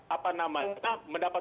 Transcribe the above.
apa namanya mendapat